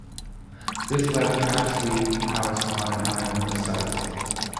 This left Apsley House on an island site.